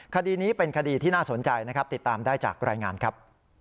คดีนี้เป็นคดีที่น่าสนใจนะครับติดตามได้จากรายงานครับ